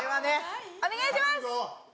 お願いします！